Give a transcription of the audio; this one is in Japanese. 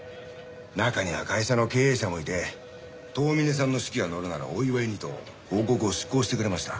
中には会社の経営者もいて遠峰さんの手記が載るならお祝いにと広告を出稿してくれました。